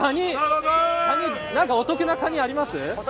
お父さん、何かお得なカニありますか。